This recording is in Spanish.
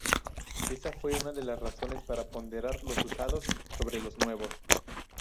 Esa fue una de las razones para ponderar los usados sobre los nuevos.